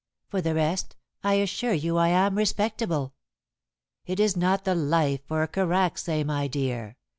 For the rest, I assure you I am respectable." "It is not the life for a Karacsay, my dear.